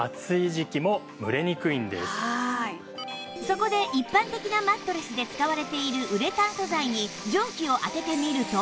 そこで一般的なマットレスで使われているウレタン素材に蒸気を当ててみると